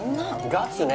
ガツね。